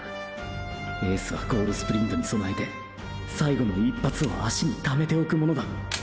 エースはゴールスプリントに備えて最後の一発を脚に貯めておくものだ。